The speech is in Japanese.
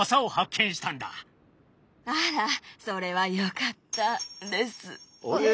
あらそれはよかったですね。